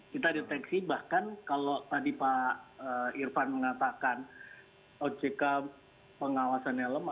kita deteksi bahkan kalau tadi pak irfan mengatakan ojk pengawasan helm